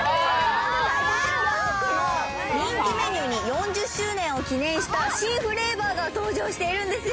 パークの人気メニューに４０周年を記念した新フレーバーが登場しているんですよ。